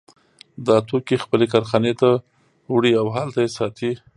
دا توکي خپلې کارخانې ته وړي او هلته یې ساتي